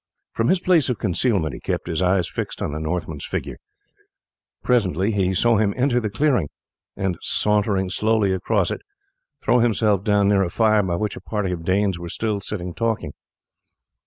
From his place of concealment he kept his eyes fixed on the Northman's figure. Presently he saw him enter the clearing, and sauntering slowly across it throw himself down near a fire by which a party of Danes were still sitting talking.